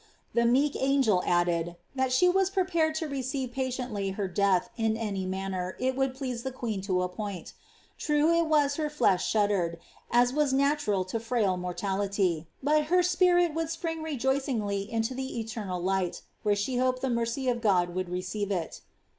'' The meek angel added, ^^ that she was prepared to receive patiently her death in any manner it would please the queen to appoint. True it was her flesh shuddered, as was natural to frail mortality; but her spirit would spring rejoicingly into the eternal light, where she hoped the mercy of God would receive it."